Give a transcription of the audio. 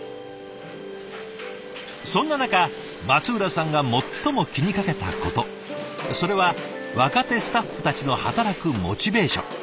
そんな中松浦さんが最も気にかけたことそれは若手スタッフたちの働くモチベーション。